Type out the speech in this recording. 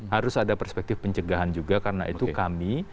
harus ada perspektif pencegahan juga karena itu kami